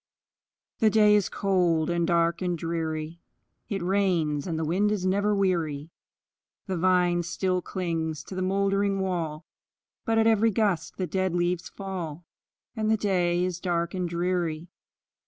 The day is cold, and dark, and dreary; It rains, and the wind is never weary; The vine still clings to the moldering wall, But at every gust the dead leaves fall, And the day is dark and dreary.